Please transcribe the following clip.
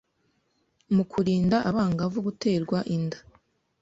mu kurinda abangavu guterwa inda ,